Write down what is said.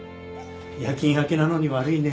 夜勤明けなのに悪いね。